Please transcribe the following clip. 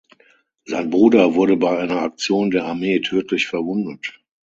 Sein Bruder wurde bei einer Aktion der Armee tödlich verwundet.